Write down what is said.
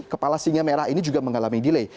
kepala singa merah ini juga mengalami delay